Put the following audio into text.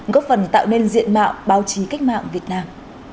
góp phần tạo nên diện mạo báo chí cách mạng việt nam